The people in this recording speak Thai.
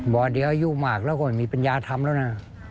บอกว่าเดี๋ยวอายุมากเราก็ไม่มีปัญญาตรรรมแล้วนะ